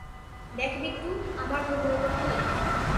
দেখ বিট্টু, আমার দুর্বলতা তুই।